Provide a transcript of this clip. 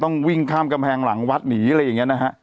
วิ่งข้ามกำแพงหลังวัดหนีอะไรอย่างนี้นะฮะ